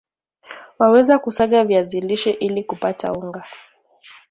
waweza kusaga viazi lishe ili kupata unga